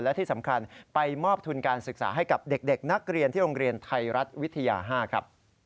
และที่สำคัญไปมอบทุนการศึกษาให้กับเด็กนักเรียนที่โรงเรียนไทยรัฐวิทยา๕ครับ